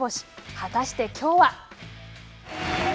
果たしてきょうは。